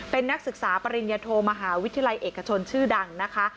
เป็นนักศึกษาปริญญโทมหาวิทยาลัยเอกชนชื่อดังนะคะ